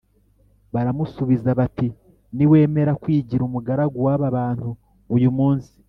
Baramusubiza bati “Niwemera kwigira umugaragu w’aba bantu uyu munsi